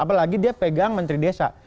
apalagi dia pegang menteri desa